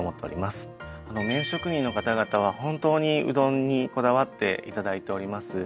「麺職人」の方々は本当にうどんにこだわっていただいております。